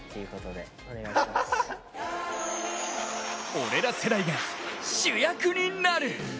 俺ら世代が、主役になる！